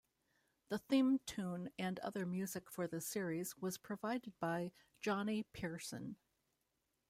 The theme tune and other music for the series was provided by Johnny Pearson.